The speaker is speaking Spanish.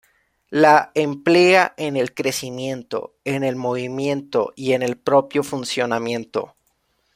La emplea en el crecimiento, en el movimiento y en el propio funcionamiento.